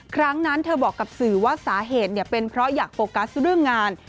ครั้งนั้นเธอบอกกับสื่อว่าสาเหตุเป็นเพราะอยากโฟกัสเรื่องงาน